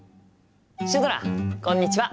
シュドラこんにちは！